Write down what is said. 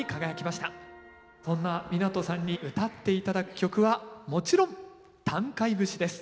そんな湊さんにうたって頂く曲はもちろん「淡海節」です。